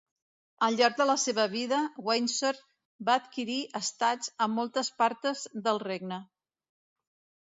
Al llarg de la seva vida, Wyndsore va adquirir estats en moltes partes del regne.